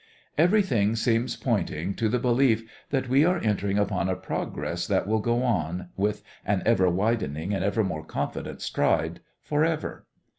Everything seems pointing to the belief that we are entering upon a progress that will go on, with an ever widening and ever more confident stride, forever.